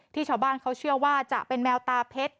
ชาวบ้านเขาเชื่อว่าจะเป็นแมวตาเพชร